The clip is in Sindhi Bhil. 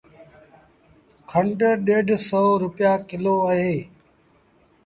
کنڍ ڏيڍ سو رپيآ ڪلو اهي۔